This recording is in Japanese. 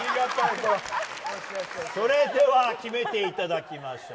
それでは決めていただきましょう。